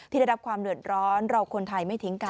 ได้รับความเดือดร้อนเราคนไทยไม่ทิ้งกัน